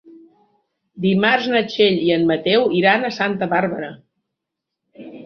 Dimarts na Txell i en Mateu iran a Santa Bàrbara.